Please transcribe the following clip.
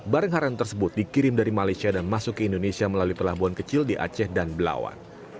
barang haram tersebut dikirim dari malaysia dan masuk ke indonesia melalui pelabuhan kecil di aceh dan belawan